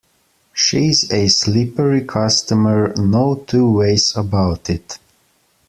She's a slippery customer, no two ways about it.